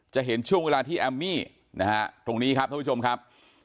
เห็นช่วงเวลาที่แอมมี่นะฮะตรงนี้ครับท่านผู้ชมครับ